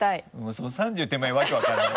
その３０手前わけ分からない。